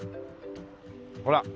ほら。